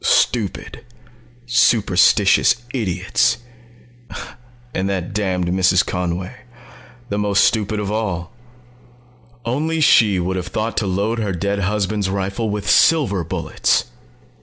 Stupid, superstitious idiots ... and that damned Mrs. Conway the most stupid of all. _Only she would have thought to load her dead husband's rifle with silver bullets!